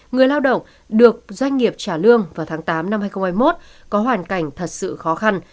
người lao động được doanh nghiệp trả lương vào tháng tám năm hai nghìn hai mươi một có hoàn cảnh thật sự khó khăn